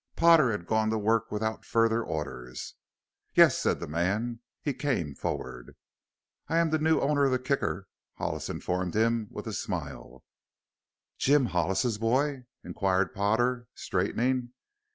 Potter had gone to work without further orders. "Yes," said the man. He came forward. "I am the new owner of the Kicker," Hollis informed him with a smile. "Jim Hollis's boy?" inquired Potter, straightening.